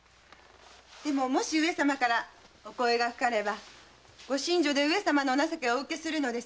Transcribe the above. でももし上様からお声がかかれば御寝所で上様のお情けをお受けするのですよ。